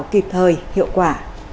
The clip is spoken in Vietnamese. kịp thời hiệu quả